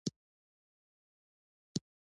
زردالو د افغانستان د امنیت په اړه هم اغېز لري.